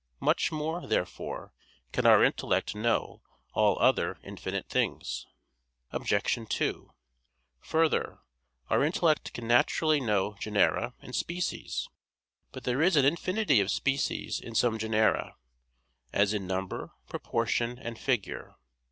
Much more, therefore, can our intellect know all other infinite things. Obj. 2: Further, our intellect can naturally know genera and species. But there is an infinity of species in some genera, as in number, proportion, and figure.